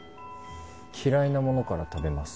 嫌いなものから食べます。